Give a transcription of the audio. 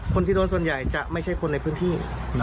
คนที่โดนส่วนใหญ่จะไม่ใช่คนในพื้นที่